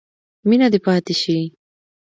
مینه دې پاتې شي.